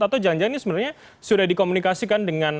atau jangan jangan ini sebenarnya sudah dikomunikasikan dengan